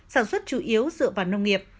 sản xuất chủ yếu dựa vào nông nghiệp